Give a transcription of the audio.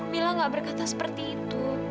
mila gak berkata seperti itu